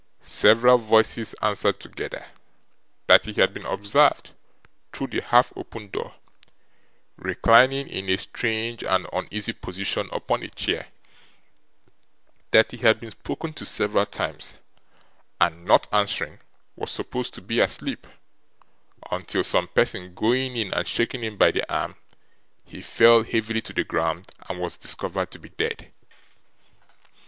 Several voices answered together, that he had been observed, through the half opened door, reclining in a strange and uneasy position upon a chair; that he had been spoken to several times, and not answering, was supposed to be asleep, until some person going in and shaking him by the arm, he fell heavily to the ground and was discovered to be dead.